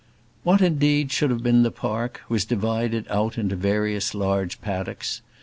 What, indeed, should have been the park was divided out into various large paddocks.